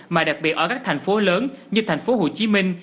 mà đặc biệt ở các thành phố lớn như thành phố hồ chí minh